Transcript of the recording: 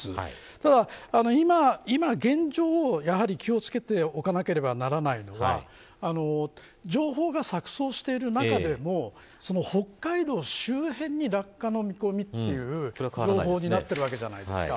ただ、今現状やはり気を付けておかなければならないのは情報が錯綜している中でも北海道周辺に落下の見込みという情報になっているわけじゃないですか。